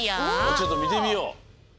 ちょっとみてみよう。